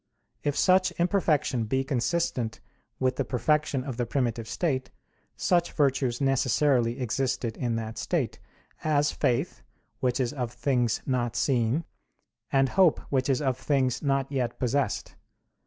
If such imperfection be consistent with the perfection of the primitive state, such virtues necessarily existed in that state; as faith, which is of things not seen, and hope which is of things not yet possessed.